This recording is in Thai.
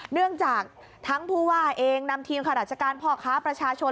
เนื่องจากทั้งผู้ว่าเองนำทีมข้าราชการพ่อค้าประชาชน